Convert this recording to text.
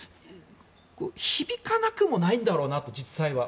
響かなくもないんだろうなって実際は。